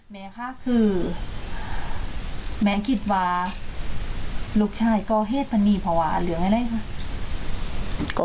แม่ค่ะคือแม่คิดว่าลูกชายก่อเหตุปณีภาวะหรืออะไรค่ะ